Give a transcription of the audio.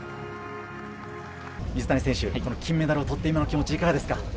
水谷選手、金メダルを取って、今の気持ちいかがですか？